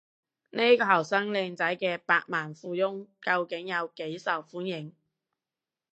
呢個後生靚仔嘅百萬富翁究竟有幾受歡迎？